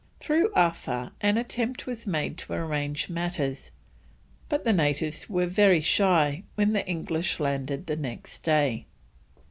Through Awhaa an attempt was made to arrange matters, but the natives were very shy when the English landed the next day.